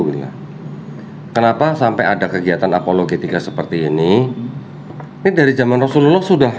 hai kenapa sampai ada kegiatan apologetika seperti ini ini dari zaman rasulullah sudah